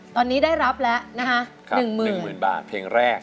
ตอนนี้ได้รับแล้วนะฮะหนึ่งหมื่นครับหนึ่งหมื่นบาทเพลงแรก